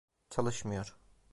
Çalışmıyor.